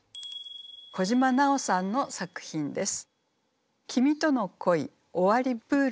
小島なおさんの作品です。